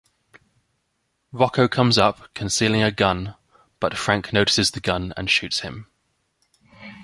Rocco comes up, concealing a gun, but Frank notices the gun and shoots him.